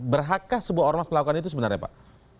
berhakkah sebuah ormas melakukan itu sebenarnya pak